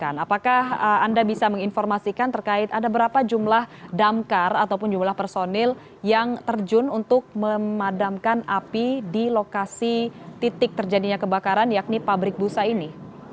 apakah anda bisa menginformasikan terkait ada berapa jumlah damkar ataupun jumlah personil yang terjun untuk memadamkan api di lokasi titik terjadinya kebakaran yakni pabrik busa ini